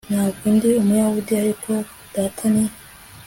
Ntabwo ndi Umuyahudi ariko data ni